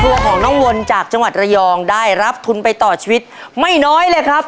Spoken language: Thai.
ตัวของน้องวนจากจังหวัดระยองได้รับทุนไปต่อชีวิตไม่น้อยเลยครับ